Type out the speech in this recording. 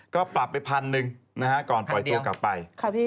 ก็ปรับไปพันหนึ่งนะฮะก่อนปล่อยตัวกลับไป